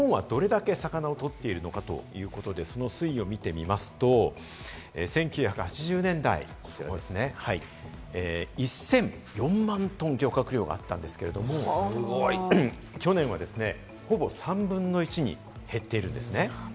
では日本はどれだけ魚をとっているのかということで、その推移を見てみますと、１９８０年代、１００４万トン漁獲量あったんですが、去年は、ほぼ３分の１に減っているんです。